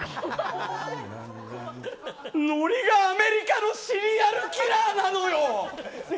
ノリがアメリカのシリアルキラーなのよ。